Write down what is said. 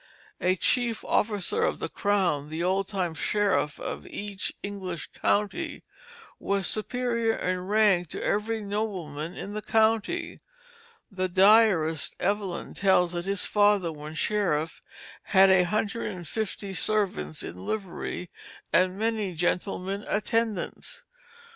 As chief officer of the Crown, the old time sheriff of each English county was superior in rank to every nobleman in the county. The diarist Evelyn tells that his father when sheriff had a hundred and fifty servants in livery, and many gentleman attendants.